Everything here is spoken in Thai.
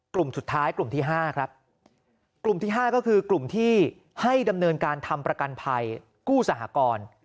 กลุ่มสุดท้ายกลุ่มที่๕ครับกลุ่มที่๕ก็คือกลุ่มที่ให้ดำเนินการทำประกันภัยกู้สหกร